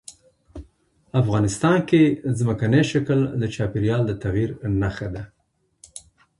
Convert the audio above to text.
افغانستان کې ځمکنی شکل د چاپېریال د تغیر نښه ده.